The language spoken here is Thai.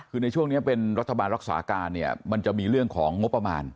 คือในช่วงนี้เป็นรัฐบาลรักษาการเนี่ยมันจะมีเรื่องของงบประมาณ